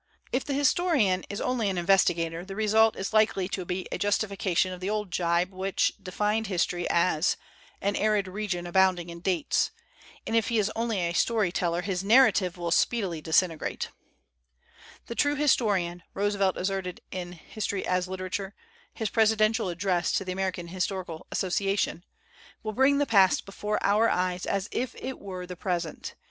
If the historian is only an investigator, the result is likely to be a justification of the old jibe which defined history as "an arid region abounding in dates"; and if he is only a story teller his narrative will speed ily disintegrate. "The true historian," Roosevelt asserted in 1 History as Literature,' his presidential address to the American Historical Association, "will bring the past before our eyes as if it were the 248 THEODORE ROOSEVELT AS A MAN OF LETTERS present.